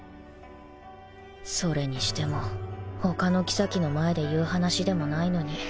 それにしても他の妃の前で言う話でもないのに